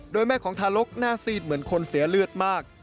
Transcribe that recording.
โดยแม่ของทารกหน้าซีดเหมือนคนเสียเลือดมาก